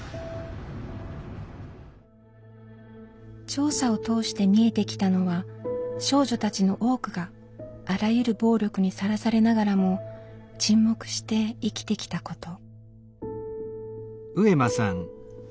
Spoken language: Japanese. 調査を通して見えてきたのは少女たちの多くがあらゆる暴力にさらされながらも沈黙して生きてきたこと。